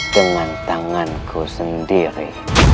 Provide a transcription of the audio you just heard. dengan tanganku sendiri